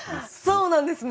そうなんですね。